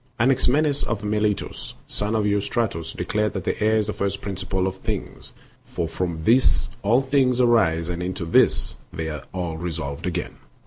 Anaximenes of Miletos, son of Ku rystratos, declared that air is the first principle of things, for from this all things arise and into this they are all resolved again.